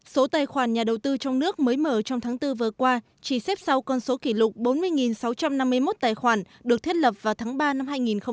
số tài khoản nhà đầu tư trong nước mới mở trong tháng bốn vừa qua chỉ xếp sau con số kỷ lục bốn mươi sáu trăm năm mươi một tài khoản được thiết lập vào tháng ba năm hai nghìn một mươi chín